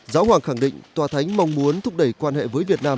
giáo hoàng khẳng định tòa thánh mong muốn thúc đẩy quan hệ với việt nam